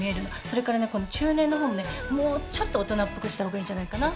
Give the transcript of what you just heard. それからねこの中年の方もねもうちょっと大人っぽくした方がいいんじゃないかな？